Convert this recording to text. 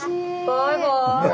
バイバーイ。